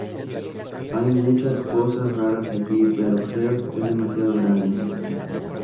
Hay muchas cosas raras allí, pero Hearst es demasiado grande".